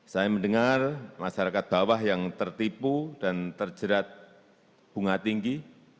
saya mendengar masyarakat bawah yang tertipu dan terjerat bunga tinggi